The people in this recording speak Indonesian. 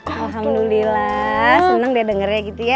alhamdulillah senang deh dengarnya gitu ya